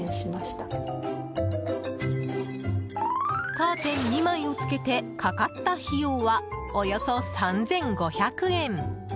カーテン２枚をつけてかかった費用はおよそ３５００円。